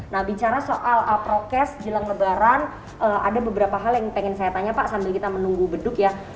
nah bicara soal prokes jelang lebaran ada beberapa hal yang pengen saya tanya pak sambil kita menunggu beduk ya